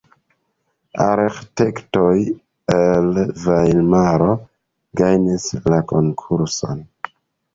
Arĥitektoj el Vajmaro gajnis la konkurson.